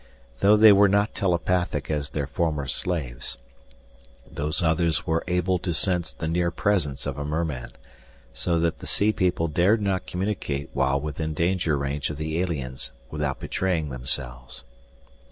Though they were not telepathic as their former slaves, Those Others were able to sense the near presence of a merman, so that the sea people dared not communicate while within danger range of the aliens without betraying themselves.